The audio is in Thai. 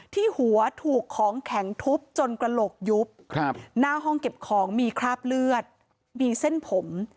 ที่หัวถูกของแข็งทุบจนกระโหลกยุบหน้าห้องเก็บของมีคราบเลือดมีเส้นผม